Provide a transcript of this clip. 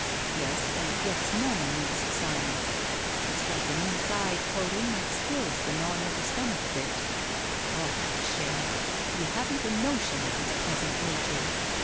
Yes, one gets numb amidst silence; it's like an inside coating that stills the gnawing of the stomach a bit. Ah, that Chaîne! You haven't a notion of his peasant nature.